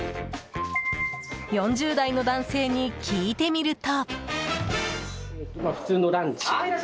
４０代の男性に聞いてみると。